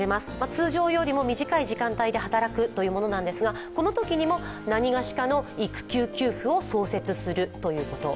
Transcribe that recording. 通常より短い時間で働くというものですがこのときにも、なにがしかの育休給付を創設するということ。